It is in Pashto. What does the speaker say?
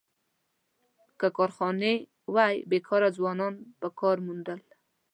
که کارخانې وای، بېکاره ځوانان به کار موندل.